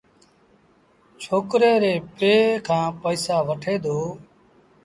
ڇوڪري ري پي کآݩ پئيٚسآ وٺي دو۔